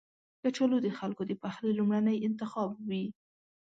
کچالو د خلکو د پخلي لومړنی انتخاب وي